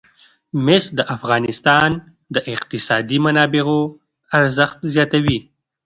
مس د افغانستان د اقتصادي منابعو ارزښت زیاتوي.